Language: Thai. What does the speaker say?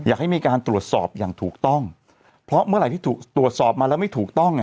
อยากให้มีการตรวจสอบอย่างถูกต้องเพราะเมื่อไหร่ที่ถูกตรวจสอบมาแล้วไม่ถูกต้องอ่ะ